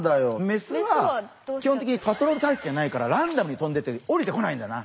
メスは基本的にパトロール体質じゃないからランダムに飛んでておりてこないんだな。